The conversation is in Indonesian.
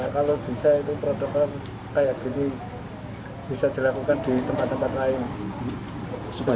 kalau bisa itu protokol kayak gini bisa dilakukan di tempat tempat lain